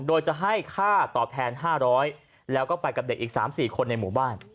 โดยจะให้ค่าต่อแพนห้าร้อยแล้วก็ไปกับเด็กอีกสามสี่คนในหมู่บ้าน